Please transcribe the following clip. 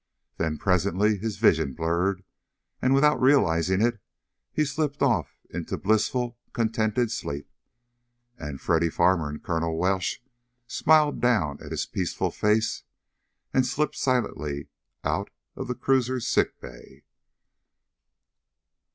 Then presently his vision blurred, and without realizing it he slipped off into blissful, contented sleep. And Freddy Farmer and Colonel Welsh smiled down at his peaceful face, and slipped silently out of the cruiser's sick bay.